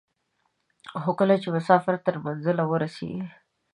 خو کله چې مسافر تر منزل ورسېږي.